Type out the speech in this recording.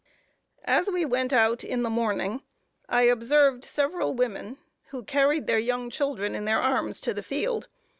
As we went out in the morning, I observed several women, who carried their young children in their arms to the field.